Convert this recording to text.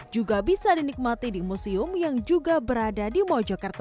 juga bisa dinikmati di museum yang juga berada di mojokerto